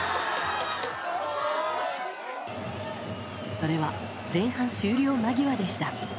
それは前半終了間際でした。